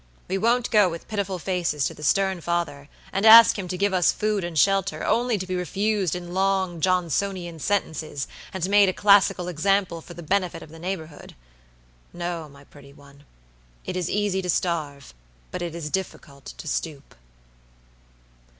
We won't go with pitiful faces to the stern father, and ask him to give us food and shelter, only to be refused in long, Johnsonian sentences, and made a classical example for the benefit of the neighborhood. No, my pretty one; it is easy to starve, but it is difficult to stoop."